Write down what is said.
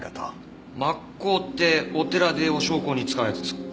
抹香ってお寺でお焼香に使うやつですか？